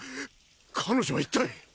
彼女は一体？